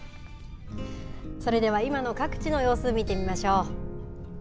それでは今の各地の様子見てみましょう。